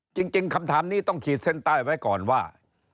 จริงคำถามนี้ต้องขีดเส้นใต้ไว้ก่อนว่า